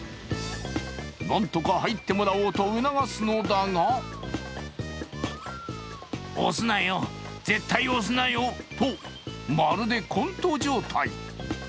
なんとか入ってもらおうと促すのだが押すなよ、絶対押すなよとまるでコント状態。